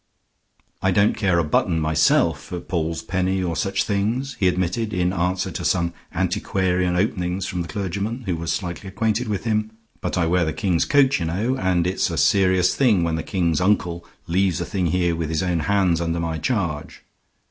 "I don't care a button myself for Paul's Penny, or such things," he admitted in answer to some antiquarian openings from the clergyman who was slightly acquainted with him, "but I wear the King's coat, you know, and it's a serious thing when the King's uncle leaves a thing here with his own hands under my charge.